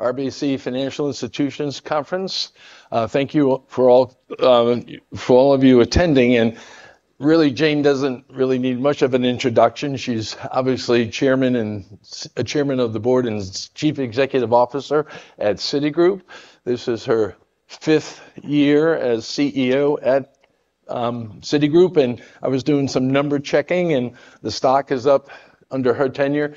RBC Financial Institutions Conference. Thank you for all of you attending. Really, Jane doesn't really need much of an introduction. She's obviously chairman of the board and Chief Executive Officer at Citigroup. This is her fifth year as CEO at Citigroup, and I was doing some number checking, and the stock is up 53% under her tenure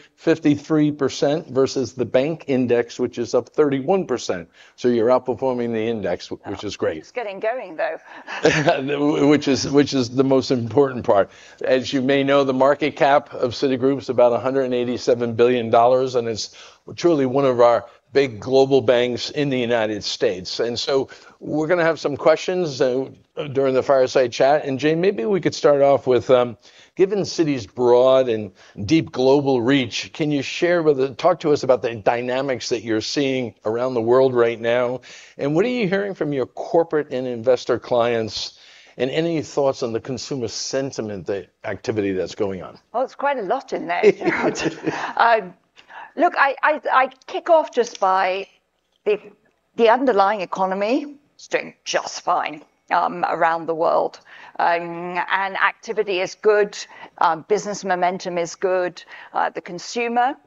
versus the bank index, which is up 31%. You're outperforming the index which is great. It's getting going, though. Which is the most important part. As you may know, the market cap of Citigroup's about $187 billion, and it's truly one of our big global banks in the United States. We're gonna have some questions during the fireside chat. Jane, maybe we could start off with, given Citi's broad and deep global reach, can you talk to us about the dynamics that you're seeing around the world right now, and what are you hearing from your corporate and investor clients, and any thoughts on the consumer sentiment activity that's going on? It's quite a lot in there. I kick off just by the underlying economy is doing just fine around the world. Activity is good. Business momentum is good. The consumer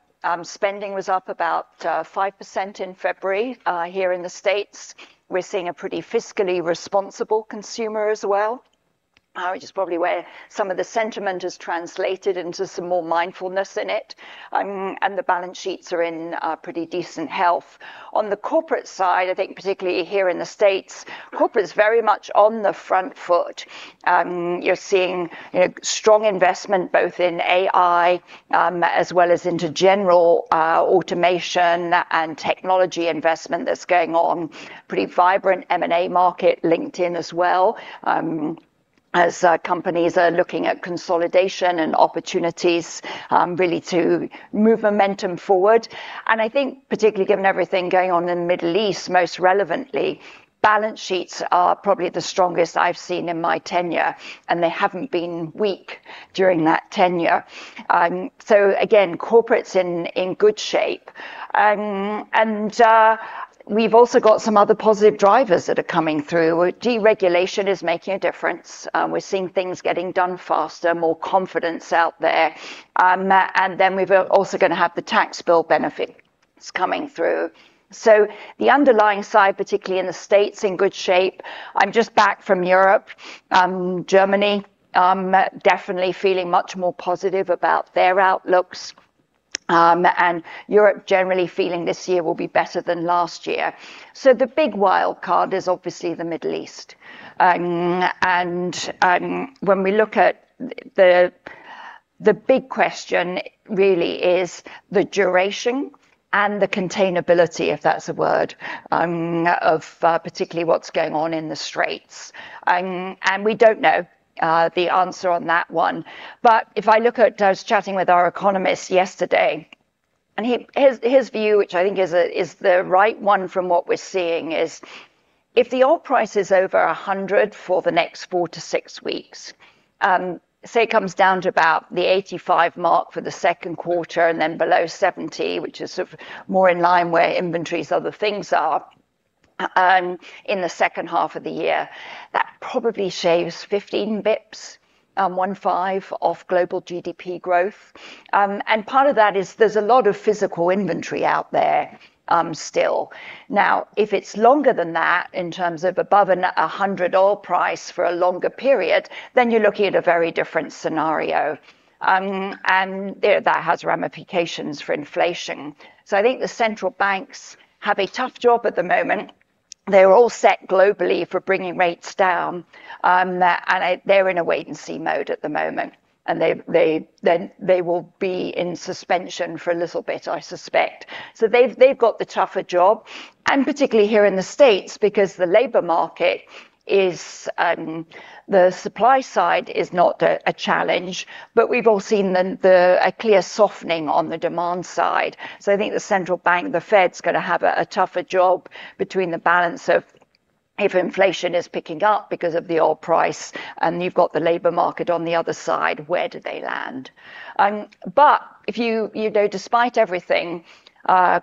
spending was up about 5% in February here in the States. We're seeing a pretty fiscally responsible consumer as well, which is probably where some of the sentiment is translated into some more mindfulness in it. The balance sheets are in pretty decent health. On the corporate side, I think particularly here in the States, corporate is very much on the front foot. You're seeing, you know, strong investment both in AI as well as into general automation and technology investment that's going on. Pretty vibrant M&A market, LinkedIn as well, companies are looking at consolidation and opportunities, really to move momentum forward. I think particularly given everything going on in the Middle East, most relevantly, balance sheets are probably the strongest I've seen in my tenure, and they haven't been weak during that tenure. Again, corporate's in good shape. We've also got some other positive drivers that are coming through. Deregulation is making a difference. We're seeing things getting done faster, more confidence out there. Then we've also gonna have the tax bill benefit that's coming through. The underlying side, particularly in the States, in good shape. I'm just back from Europe. Germany definitely feeling much more positive about their outlooks, and Europe generally feeling this year will be better than last year. The big wild card is obviously the Middle East. When we look at the big question really is the duration and the containability, if that's a word, of particularly what's going on in the Straits. We don't know the answer on that one. If I look at, I was chatting with our economist yesterday, and his view, which I think is the right one from what we're seeing, is if the oil price is over 100 for the next four to six weeks, say it comes down to about the 85 mark for the second quarter and then below 70, which is sort of more in line where inventories of the things are in the second half of the year, that probably shaves 15 basis points, 15, off global GDP growth. Part of that is there's a lot of physical inventory out there, still. Now, if it's longer than that in terms of above $100 oil price for a longer period, then you're looking at a very different scenario, you know, that has ramifications for inflation. I think the central banks have a tough job at the moment. They're all set globally for bringing rates down, they're in a wait-and-see mode at the moment. They will be in suspense for a little bit, I suspect. They've got the tougher job, and particularly here in the States, because the labor market is, the supply side is not a challenge, but we've all seen a clear softening on the demand side. I think the central bank, the Fed's gonna have a tougher job between the balance of if inflation is picking up because of the oil price and you've got the labor market on the other side, where do they land? If you know, despite everything,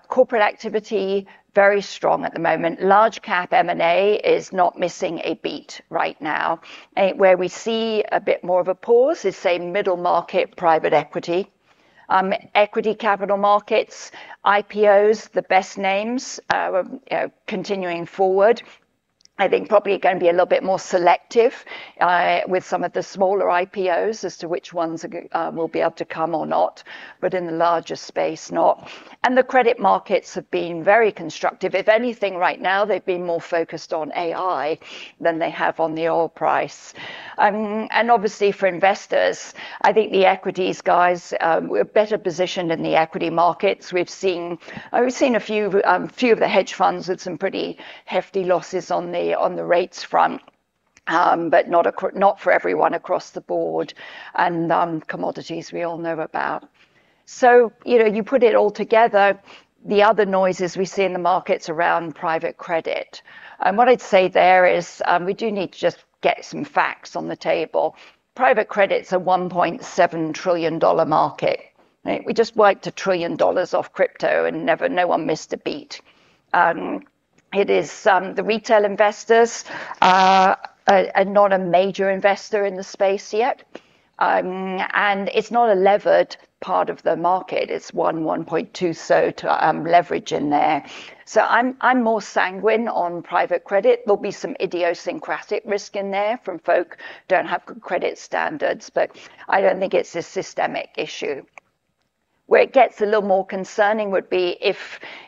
corporate activity very strong at the moment. Large cap M&A is not missing a beat right now. Where we see a bit more of a pause is, say, middle market, private equity. Equity capital markets, IPOs, the best names are, you know, continuing forward. I think probably gonna be a little bit more selective with some of the smaller IPOs as to which ones will be able to come or not, but in the larger space, not. The credit markets have been very constructive. If anything, right now they've been more focused on AI than they have on the oil price. Obviously for investors, I think the equities guys, we're better positioned in the equity markets. We've seen a few of the hedge funds with some pretty hefty losses on the rates front, but not for everyone across the board and, commodities we all know about. You know, you put it all together, the other noises we see in the markets around private credit. What I'd say there is, we do need to just get some facts on the table. Private credit's a $1.7 trillion market. We just wiped $1 trillion off crypto and no one missed a beat. The retail investors are not major investors in the space yet. It's not a levered part of the market. It's 1-1.2 leverage in there. I'm more sanguine on private credit. There'll be some idiosyncratic risk in there from folks who don't have good credit standards, but I don't think it's a systemic issue. It gets a little more concerning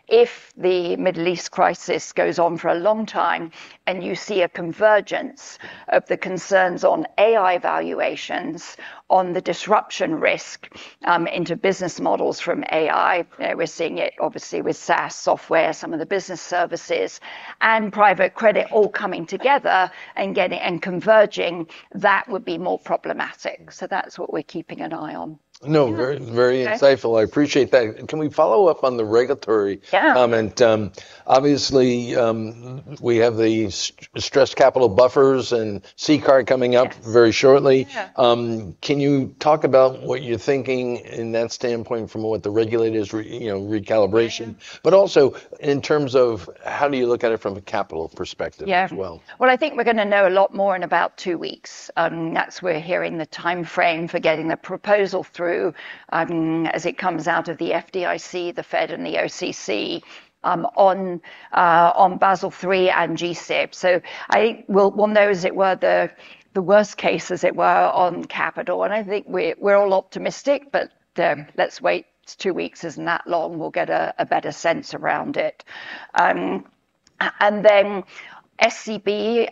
if the Middle East crisis goes on for a long time and you see a convergence of the concerns on AI valuations on the disruption risk into business models from AI. We're seeing it obviously with SaaS software, some of the business services and private credit all coming together and converging, that would be more problematic. That's what we're keeping an eye on. No. Okay Very insightful. I appreciate that. Can we follow up on the regulatory? Yeah... comment? Obviously, we have these stress capital buffers and CCAR coming up- Yes Very shortly. Yeah. Can you talk about what you're thinking in that standpoint from what the regulators, you know, recalibration, but also in terms of how do you look at it from a capital perspective? Yeah as well? Well, I think we're gonna know a lot more in about two weeks. That's what we're hearing the timeframe for getting the proposal through, as it comes out of the FDIC, the Fed, and the OCC, on Basel III and GSIB. I think we'll know as it were the worst case as it were on capital, and I think we're all optimistic, but let's wait. It's two weeks. It's not long. We'll get a better sense around it. And then SCB.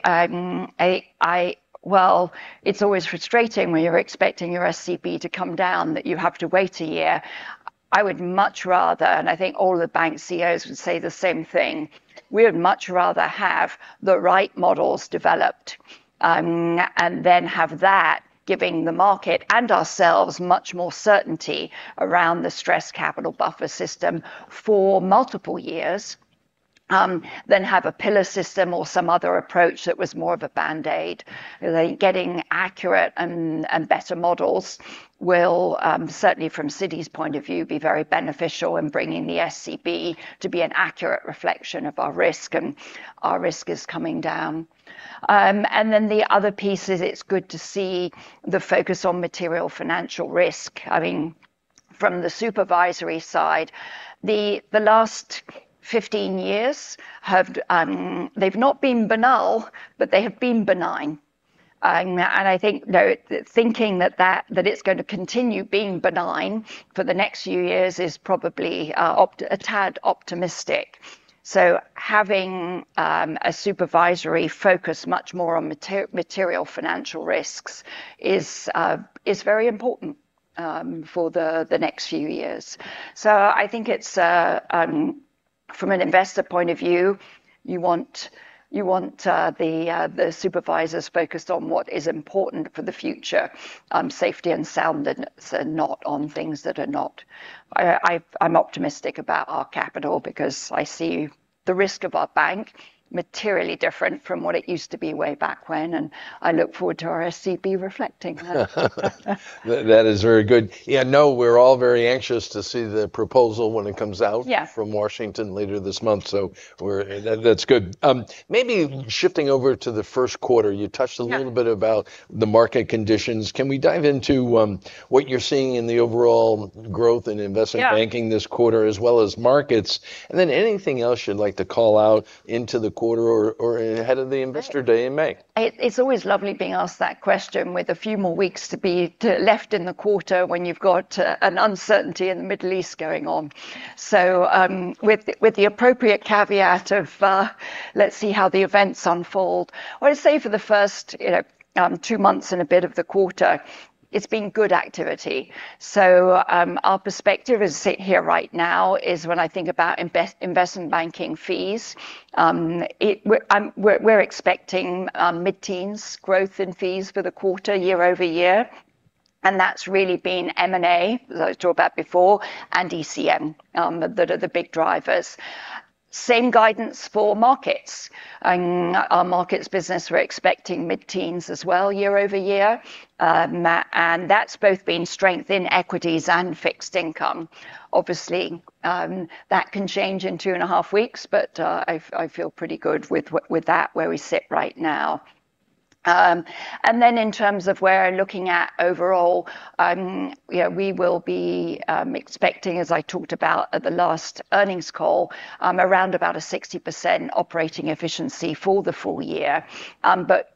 Well, it's always frustrating when you're expecting your SCB to come down, that you have to wait a year. I would much rather, and I think all the bank CEOs would say the same thing, we would much rather have the right models developed, and then have that giving the market and ourselves much more certainty around the stress capital buffer system for multiple years, than have a pillar system or some other approach that was more of a band-aid. I think getting accurate and better models will certainly from Citi's point of view be very beneficial in bringing the SCB to be an accurate reflection of our risk, and our risk is coming down. The other piece is it's good to see the focus on material financial risk. I mean, from the supervisory side, the last 15 years, they've not been banal, but they have been benign. I think, you know, thinking that it's going to continue being benign for the next few years is probably a tad optimistic. Having a supervisory focus much more on material financial risks is very important for the next few years. I think it's from an investor point of view, you want the supervisors focused on what is important for the future, safety and soundness and not on things that are not. I'm optimistic about our capital because I see the risk of our bank materially different from what it used to be way back when, and I look forward to our SCB reflecting that. That is very good. Yeah, no, we're all very anxious to see the proposal when it comes out. Yeah... from Washington later this month, and that's good. Maybe shifting over to the first quarter. You touched a- Yeah... little bit about the market conditions. Can we dive into what you're seeing in the overall growth in investment? Yeah... banking this quarter as well as markets? Anything else you'd like to call out into the quarter or ahead of the Investor Day in May? It's always lovely being asked that question with a few more weeks to be left in the quarter when you've got an uncertainty in the Middle East going on. With the appropriate caveat of let's see how the events unfold, I'd say for the first two months and a bit of the quarter, it's been good activity. Our perspective as we sit here right now is when I think about investment banking fees, we're expecting mid-teens growth in fees for the quarter year-over-year, and that's really been M&A, as I talked about before, and ECM that are the big drivers. Same guidance for markets. Our markets business, we're expecting mid-teens as well year-over-year. And that's been both strength in equities and fixed income. Obviously, that can change in 2.5 weeks but I feel pretty good with that where we sit right now. In terms of where we're looking at overall, you know, we will be expecting, as I talked about at the last earnings call, around about 60% operating efficiency for the full year.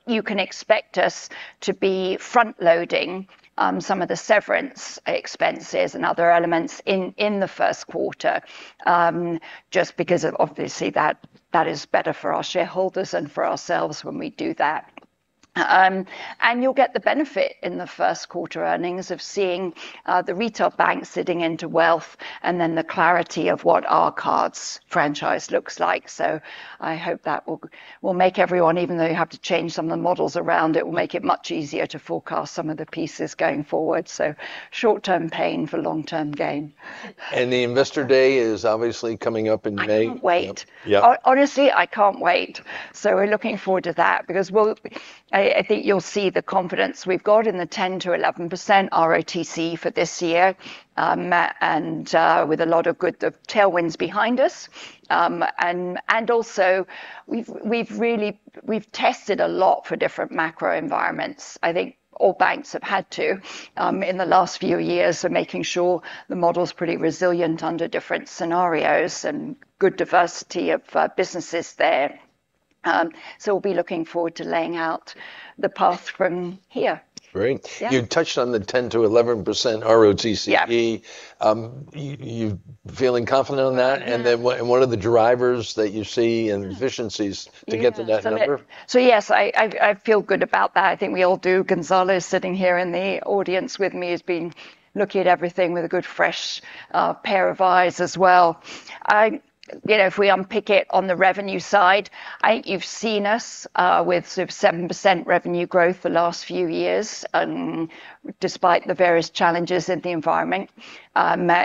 You can expect us to be front loading some of the severance expenses and other elements in the first quarter, just because, obviously, that is better for our shareholders and for ourselves when we do that. You'll get the benefit in the first quarter earnings of seeing the retail bank sitting into wealth and then the clarity of what our cards franchise looks like. I hope that will make everyone, even though you have to change some of the models around it, will make it much easier to forecast some of the pieces going forward. Short-term pain for long-term gain. The Investor Day is obviously coming up in May. I can't wait. Yeah. Honestly, I can't wait. We're looking forward to that because I think you'll see the confidence we've got in the 10%-11% ROTCE for this year, with a lot of good tailwinds behind us. We've really tested a lot of different macro environments. I think all banks have had to in the last few years to make sure the model's pretty resilient under different scenarios and good diversity of businesses there. We'll be looking forward to laying out the path from here. Great. Yeah. You touched on the 10%-11% ROTCE. Yeah. You feeling confident on that? What, and what are the drivers that you see and efficiencies to get to that number? Yes. I feel good about that. I think we all do. Gonzalo's sitting here in the audience with me. He's been looking at everything with a good fresh pair of eyes as well. You know, if we unpick it on the revenue side, I think you've seen us with sort of 7% revenue growth the last few years, despite the various challenges in the environment.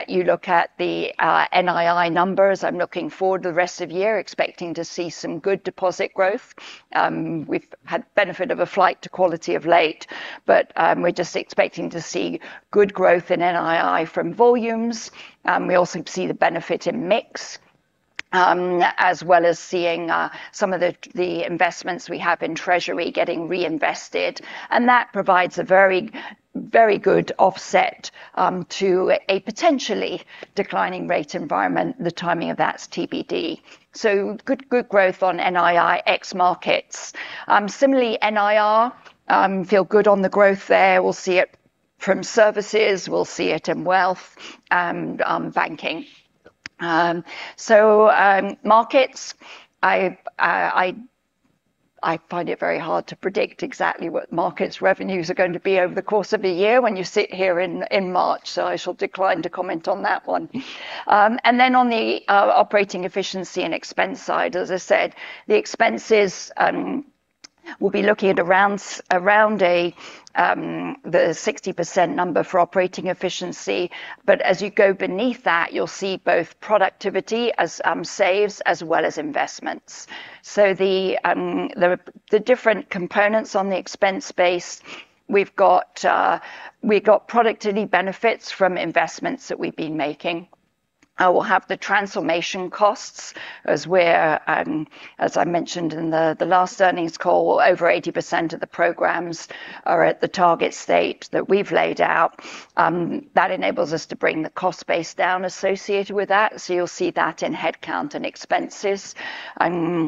You look at the NII numbers. I'm looking forward to the rest of the year expecting to see some good deposit growth. We've had benefit of a flight to quality of late, but we're just expecting to see good growth in NII from volumes. We also see the benefit in mix, as well as seeing some of the investments we have in Treasury getting reinvested, and that provides a very, very good offset to a potentially declining rate environment. The timing of that's TBD. Good growth on NII ex-markets. Similarly, NIR, feel good on the growth there. We'll see it from services, we'll see it in wealth and banking. Markets, I find it very hard to predict exactly what markets revenues are going to be over the course of a year when you sit here in March, so I shall decline to comment on that one. On the operating efficiency and expense side, as I said, the expenses, we'll be looking at around a 60% number for operating efficiency. As you go beneath that, you'll see both productivity savings as well as investments. The different components on the expense base, we've got productivity benefits from investments that we've been making. We'll have the transformation costs as I mentioned in the last earnings call, over 80% of the programs are at the target state that we've laid out. That enables us to bring the cost base down associated with that. You'll see that in headcount and expenses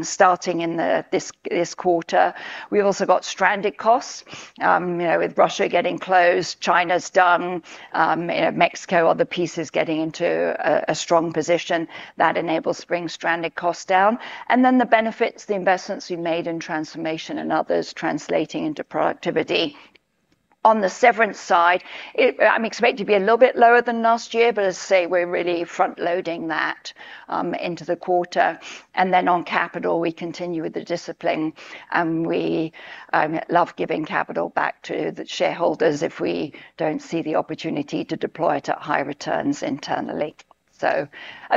starting in this quarter. We've also got stranded costs, you know, with Russia getting closed, China's done, you know, Mexico, other pieces getting into a strong position that enables bring stranded costs down. Then the benefits, the investments we made in transformation and others translating into productivity. On the severance side, I'm expecting to be a little bit lower than last year, but as I say, we're really front-loading that into the quarter. Then on capital, we continue with the discipline, and we love giving capital back to the shareholders if we don't see the opportunity to deploy it at high returns internally. A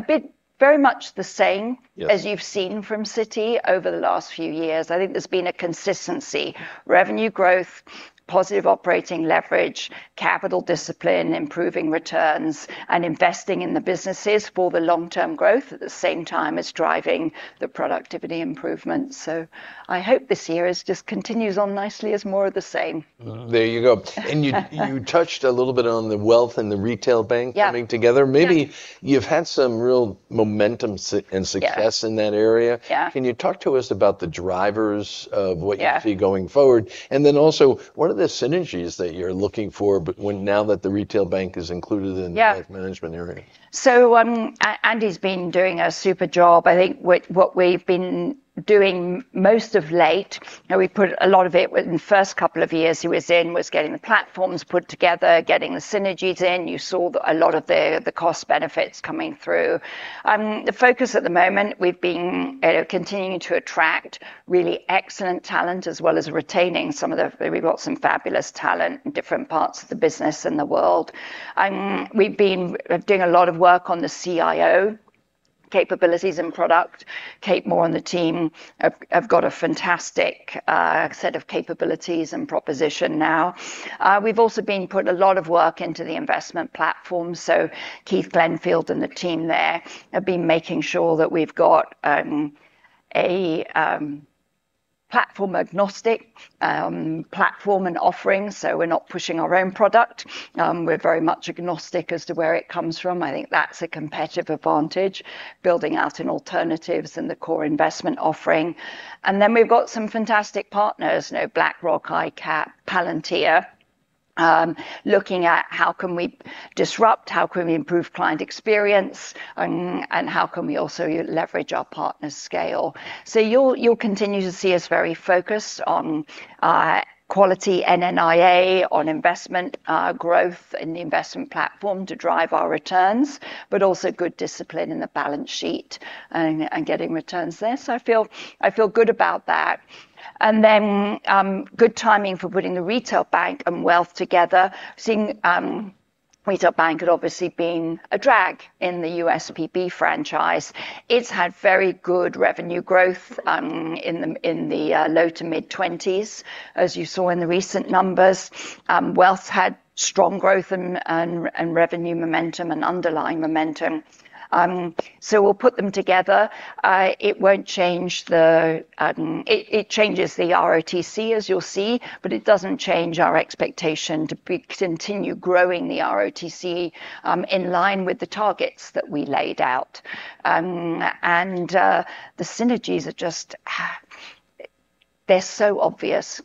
bit very much the same. Yes As you've seen from Citi over the last few years. I think there's been a consistency, revenue growth, positive operating leverage, capital discipline, improving returns, and investing in the businesses for the long-term growth at the same time as driving the productivity improvement. I hope this year is just continues on nicely as more of the same. There you go. You touched a little bit on the wealth and the retail bank coming together. Yeah. Maybe you've had some real momentum and success. Yeah in that area. Yeah. Can you talk to us about the drivers of what? Yeah... you see going forward? Also, what are the synergies that you're looking for when now that the retail bank is included in the- Yeah Management area? Andy's been doing a super job. I think what we've been doing most of late, you know, we've put a lot of it in the first couple of years he was in, was getting the platforms put together, getting the synergies in. You saw a lot of the cost benefits coming through. The focus at the moment, we've been continuing to attract really excellent talent, as well as retaining some of the. We've got some fabulous talent in different parts of the business and the world. We've been doing a lot of work on the CIO capabilities and product. Kate Moore and the team have got a fantastic set of capabilities and proposition now. We've also been put a lot of work into the investment platform. Keith Glenfield and the team there have been making sure that we've got a platform agnostic platform and offerings. We're not pushing our own product. We're very much agnostic as to where it comes from. I think that's a competitive advantage, building out in alternatives and the core investment offering. We've got some fantastic partners BlackRock, iCapital, Palantir, looking at how can we disrupt, how can we improve client experience, and how can we also leverage our partners' scale. You'll continue to see us very focused on quality NNIA, on investment growth in the investment platform to drive our returns, but also good discipline in the balance sheet and getting returns there. I feel good about that. Good timing for putting the retail bank and wealth together, seeing retail bank had obviously been a drag in the USPB franchise. It's had very good revenue growth in the low to mid-20s, as you saw in the recent numbers. Wealth had strong growth and revenue momentum and underlying momentum. We'll put them together. It changes the ROTCE as you'll see, but it doesn't change our expectation to continue growing the ROTCE in line with the targets that we laid out. The synergies are just so obvious.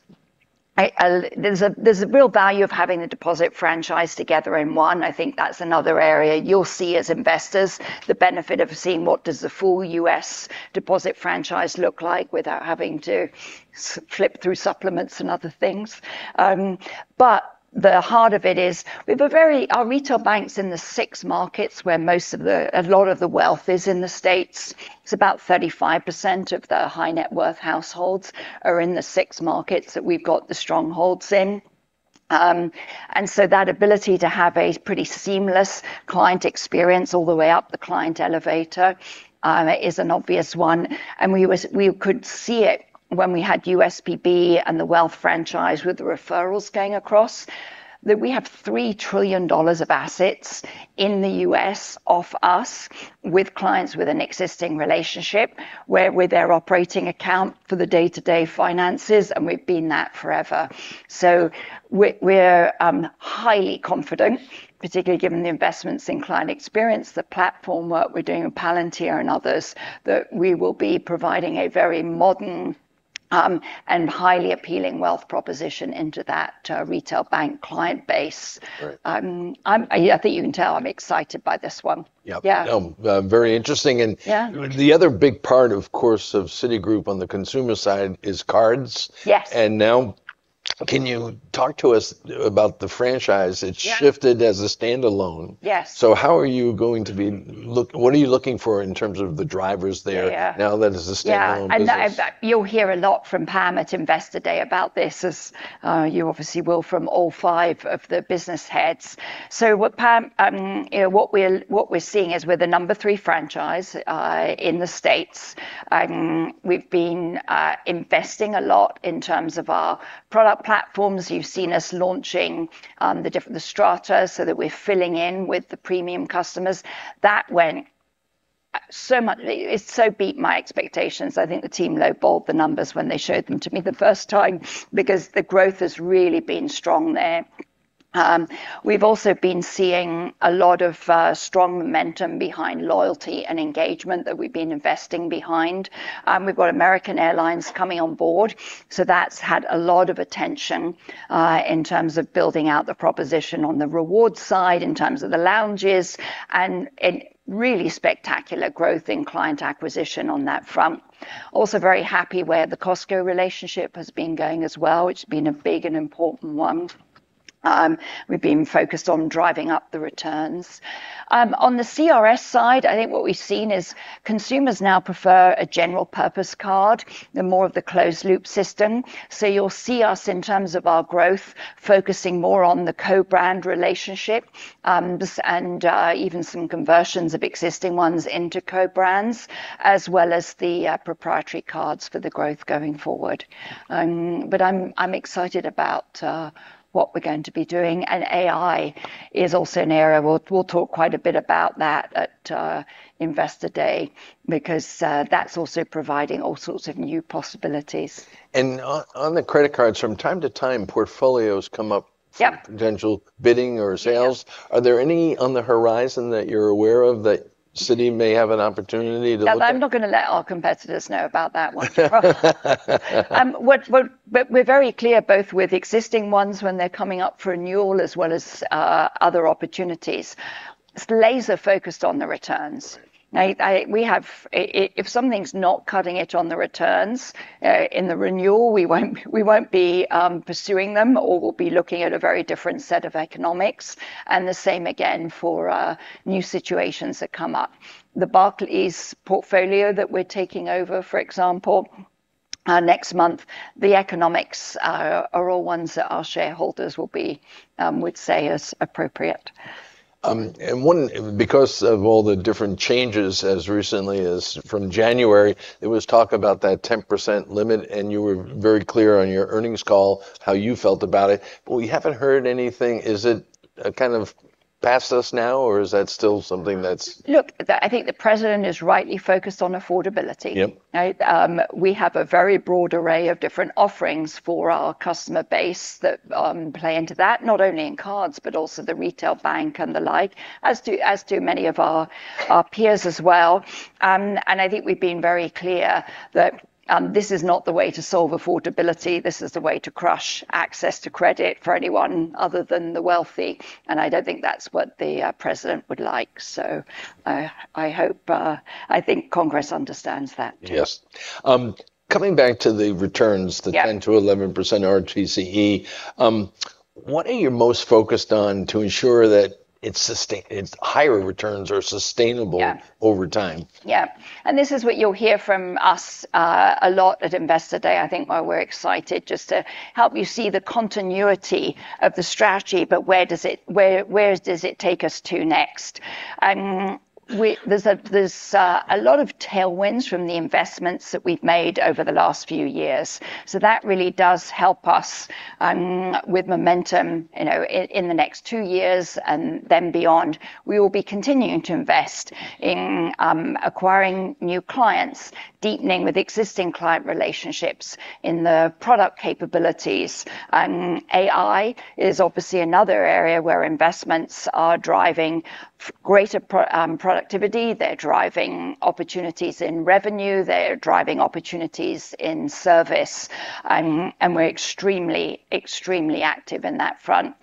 There's a real value of having the deposit franchise together in one. I think that's another area you'll see as investors the benefit of seeing what does the full U.S. deposit franchise look like without having to flip through supplements and other things. The heart of it is our retail bank's in the six markets, where a lot of the wealth is in the States. It's about 35% of the high net worth households are in the six markets that we've got the strongholds in. That ability to have a pretty seamless client experience all the way up the client elevator is an obvious one, and we could see it when we had USPB and the wealth franchise with the referrals going across, that we have $3 trillion of assets in the U.S. with us with clients with an existing relationship where we're their operating account for the day-to-day finances, and we've been that forever. We're highly confident, particularly given the investments in client experience, the platform work we're doing with Palantir and others, that we will be providing a very modern and highly appealing wealth proposition into that retail bank client base. Right. I think you can tell I'm excited by this one. Yep. Yeah. Very interesting. Yeah The other big part, of course, of Citigroup on the consumer side is cards. Yes. Now can you talk to us about the franchise? Yeah. It's shifted as a standalone. Yes. How are you going to look what are you looking for in terms of the drivers there? Yeah now that it's a standalone business? Yeah. You'll hear a lot from Pam at Investor Day about this as you obviously will from all five of the business heads. What Pam, what we're seeing is we're the number three franchise in the States. We've been investing a lot in terms of our product platforms. You've seen us launching the different Strata so that we're filling in with the premium customers. It so beat my expectations. I think the team low-balled the numbers when they showed them to me the first time because the growth has really been strong there. We've also been seeing a lot of strong momentum behind loyalty and engagement that we've been investing behind. We've got American Airlines coming on board, so that's had a lot of attention in terms of building out the proposition on the rewards side, in terms of the lounges, and a really spectacular growth in client acquisition on that front. Also very happy where the Costco relationship has been going as well, which has been a big and important one. We've been focused on driving up the returns. On the cards side, I think what we've seen is consumers now prefer a general purpose card over the closed loop system. You'll see us in terms of our growth focusing more on the co-brand relationship, and even some conversions of existing ones into co-brands, as well as the proprietary cards for the growth going forward. I'm excited about what we're going to be doing, and AI is also an area we'll talk quite a bit about that at Investor Day because that's also providing all sorts of new possibilities. On the credit cards, from time to time, portfolios come up. Yep for potential bidding or sales. Yep. Are there any on the horizon that you're aware of that Citi may have an opportunity to look at? I'm not gonna let our competitors know about that one. We're very clear both with existing ones when they're coming up for renewal, as well as other opportunities. It's laser focused on the returns. If something's not cutting it on the returns, in the renewal, we won't be pursuing them, or we'll be looking at a very different set of economics. The same again for new situations that come up. The Barclays portfolio that we're taking over, for example, next month, the economics are all ones that our shareholders will be would say is appropriate. One, because of all the different changes as recently as from January, there was talk about that 10% limit, and you were very clear on your earnings call how you felt about it. But we haven't heard anything. Is it kind of past us now, or is that still something that's- Look, I think the president is rightly focused on affordability. Yep. Right? We have a very broad array of different offerings for our customer base that play into that, not only in cards, but also the retail bank and the like. As do many of our peers as well. I think we've been very clear that this is not the way to solve affordability. This is the way to crush access to credit for anyone other than the wealthy, and I don't think that's what the president would like. I hope, I think Congress understands that. Yes. Coming back to the returns. Yeah the 10%-11% ROTCE, what are you most focused on to ensure that it's higher returns are sustainable? Yeah over time? Yeah. This is what you'll hear from us a lot at Investor Day, I think, why we're excited just to help you see the continuity of the strategy, but where does it take us to next? There's a lot of tailwinds from the investments that we've made over the last few years, so that really does help us with momentum, you know, in the next two years and then beyond. We will be continuing to invest in acquiring new clients, deepening with existing client relationships in the product capabilities. AI is obviously another area where investments are driving greater productivity. They're driving opportunities in revenue. They're driving opportunities in service, and we're extremely active in that front,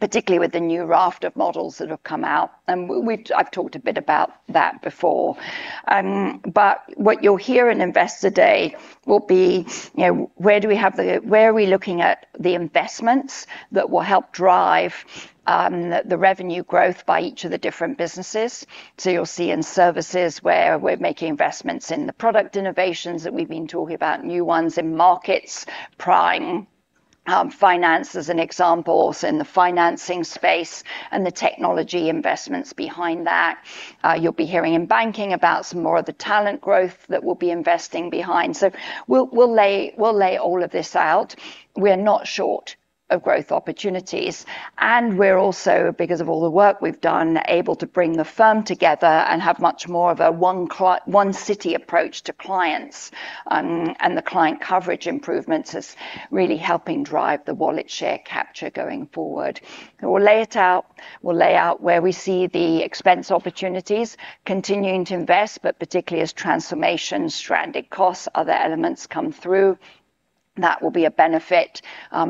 particularly with the new raft of models that have come out, and we've. I've talked a bit about that before. What you'll hear in Investor Day will be, you know, where are we looking at the investments that will help drive the revenue growth by each of the different businesses? You'll see in Services where we're making investments in the product innovations that we've been talking about, new ones in Markets, Prime Finance as an example in the financing space and the technology investments behind that. You'll be hearing in Banking about some more of the talent growth that we'll be investing behind. We'll lay all of this out. We're not short of growth opportunities, and we're also, because of all the work we've done, able to bring the firm together and have much more of a One Citi approach to clients, and the client coverage improvements is really helping drive the wallet share capture going forward. We'll lay it out. We'll lay out where we see the expense opportunities continuing to invest, but particularly as transformation, stranded costs, other elements come through, that will be a benefit,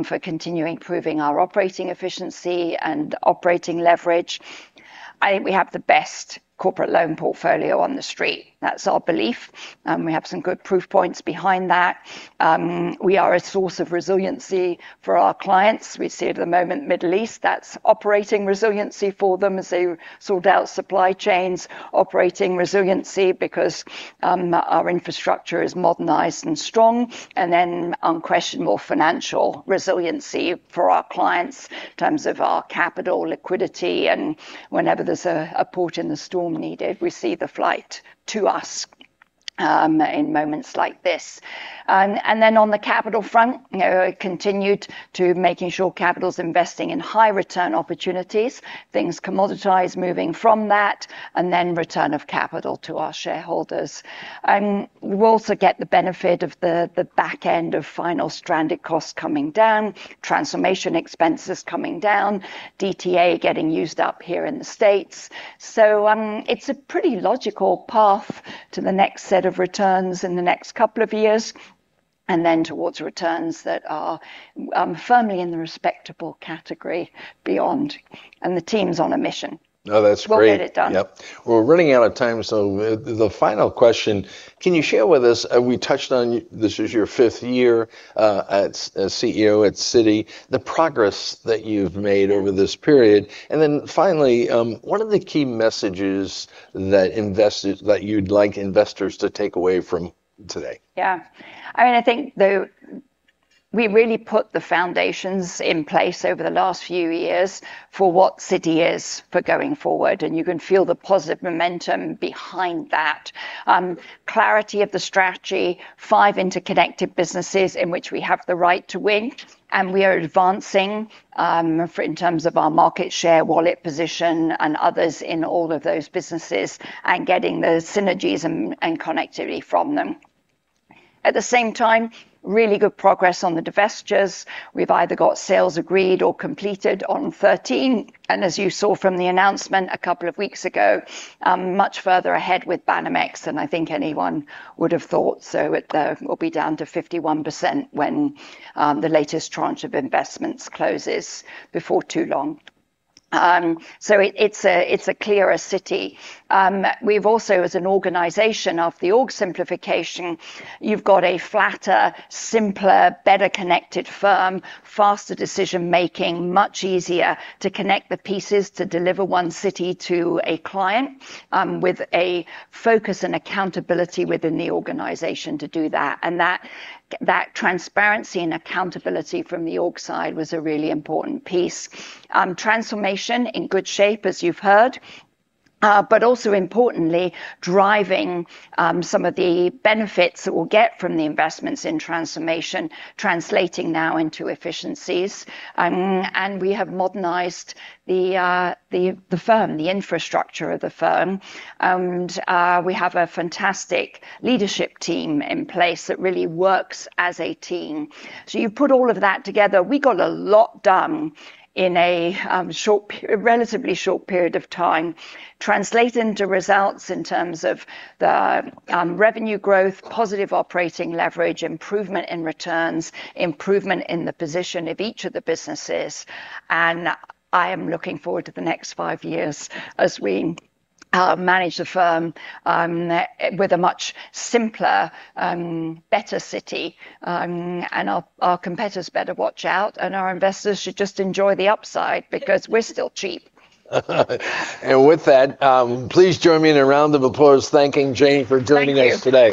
for continuing improving our operating efficiency and operating leverage. I think we have the best corporate loan portfolio on the Street. That's our belief. We have some good proof points behind that. We are a source of resiliency for our clients. We see at the moment Middle East, that's operating resiliency for them as they sort out supply chains, operating resiliency because our infrastructure is modernized and strong, and then unquestionable financial resiliency for our clients in terms of our capital liquidity and whenever there's a port in the storm needed, we see the flight to us in moments like this. On the capital front, you know, continued to making sure capital's investing in high return opportunities, things commoditize moving from that, and then return of capital to our shareholders. We'll also get the benefit of the back end of final stranded costs coming down, transformation expenses coming down, DTA getting used up here in the States. It's a pretty logical path to the next set of returns in the next couple of years, and then towards returns that are firmly in the respectable category beyond, and the team's on a mission. No, that's great. We'll get it done. Yep. We're running out of time, so the final question, can you share with us we touched on this is your fifth year as CEO at Citi, the progress that you've made over this period. Finally, what are the key messages that you'd like investors to take away from today? Yeah. I mean, I think we really put the foundations in place over the last few years for what Citi is for going forward, and you can feel the positive momentum behind that. Clarity of the strategy, five interconnected businesses in which we have the right to win, and we are advancing in terms of our market share, wallet position and others in all of those businesses and getting the synergies and connectivity from them. At the same time, really good progress on the divestitures. We've either got sales agreed or completed on 13, and as you saw from the announcement a couple of weeks ago, much further ahead with Banamex than I think anyone would have thought, so it will be down to 51% when the latest tranche of investments closes before too long. It's a clearer Citi. We've also as an organization of the org simplification, you've got a flatter, simpler, better connected firm, faster decision-making, much easier to connect the pieces to deliver One Citi to a client, with a focus and accountability within the organization to do that. That transparency and accountability from the org side was a really important piece. Transformation in good shape, as you've heard, but also importantly, driving some of the benefits that we'll get from the investments in transformation translating now into efficiencies. We have modernized the firm, the infrastructure of the firm. We have a fantastic leadership team in place that really works as a team. You put all of that together, we got a lot done in a relatively short period of time, translate into results in terms of the revenue growth, positive operating leverage, improvement in returns, improvement in the position of each of the businesses. I am looking forward to the next five years as we manage the firm with a much simpler and better Citi. Our competitors better watch out, and our investors should just enjoy the upside because we're still cheap. With that, please join me in a round of applause thanking Jane for joining us today.